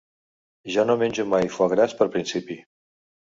Jo no menjo mai foie-gras per principi.